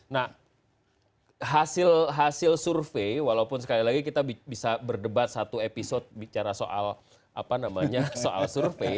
nah hasil survei walaupun sekali lagi kita bisa berdebat satu episode bicara soal apa namanya soal survei